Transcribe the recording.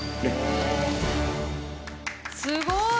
すごい！